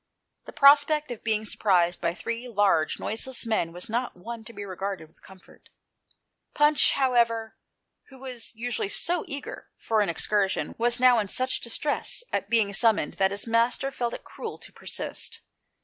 The prospect of being surprised by these large, noiseless men was not one to be regarded with comfort. Punch, however, who was usually so eager for an excursion, was now in such distress at being summoned that his master felt it cruel to persist.